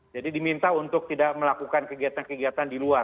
jadi diminta untuk tidak melakukan kegiatan kegiatan